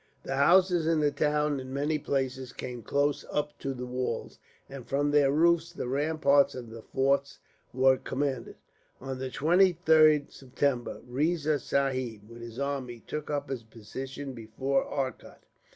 The houses in the town in many places came close up to the walls, and from their roofs the ramparts of the forts were commanded. On the 23rd September Riza Sahib, with his army, took up his position before Arcot.